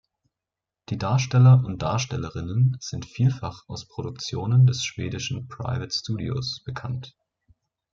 Die Darsteller und Darstellerinnen sind vielfach aus Produktionen des schwedischen Private-Studios bekannt.